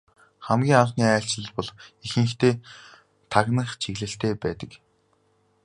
Хамгийн анхны айлчлал бол ихэнхдээ тагнах чиглэлтэй байдаг.